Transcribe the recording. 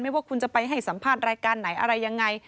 ว่าคุณจะไปให้สัมภาษณ์รายการไหนอะไรยังไง